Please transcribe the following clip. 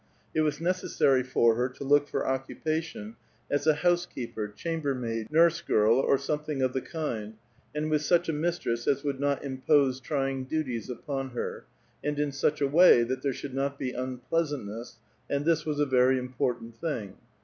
It was necessary for her to look for occu pation as a housekeeper, chambermaid, nurse girl, or some thing of the kind, and with such a mistress as would not impose trying duties upon her, and in such a way that there should not be unpleasantness, and this was a very important thing.